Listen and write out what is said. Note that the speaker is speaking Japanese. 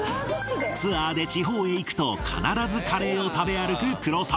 ツアーで地方へ行くと必ずカレーを食べ歩く黒沢